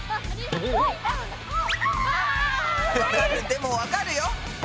でもわかるよ。